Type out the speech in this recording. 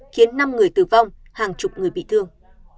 khiến năm người tử vong hàng chục người bị thương